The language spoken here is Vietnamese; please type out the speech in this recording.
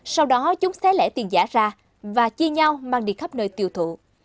sau đó chúng sẽ lẻ tiền giả ra và chia nhau mang đi khắp nơi tiêu thụ